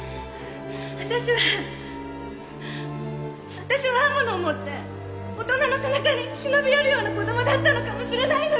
あたしはあたしは刃物を持って大人の背中に忍び寄るような子供だったのかもしれないのよ！